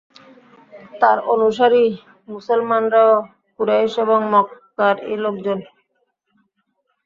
তাঁর অনুসারী মুসলমানরাও কুরাইশ এবং মক্কারই লোকজন।